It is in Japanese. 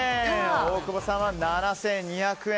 大久保さんは７２００円。